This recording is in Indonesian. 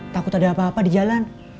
takut ada apa apa di jalan